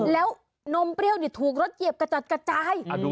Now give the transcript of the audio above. แล้วนมเปรี้ยวถูกรถเหยียบกระจัดกระจาย